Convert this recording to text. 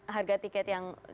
harga tiket yang